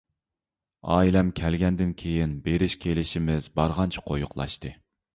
ئائىلەم كەلگەندىن كېيىن بېرىش-كېلىشىمىز بارغانچە قويۇقلاشتى.